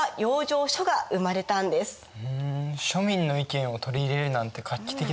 庶民の意見を取り入れるなんて画期的だよね。